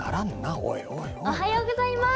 おはようございます！